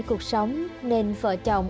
cuộc sống nên vợ chồng